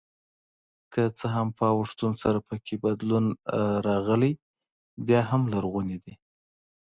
که څه هم په اوښتون سره پکې بدلون راغلی بیا هم لرغوني دي.